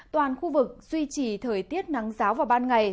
toàn khu vực duy trì thời tiết nắng giáo vào ban ngày